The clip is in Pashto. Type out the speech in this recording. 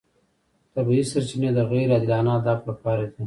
طبیعي سرچینې د غیر عادلانه اهدافو لپاره دي.